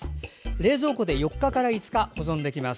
冷蔵庫で４日から５日保存できます。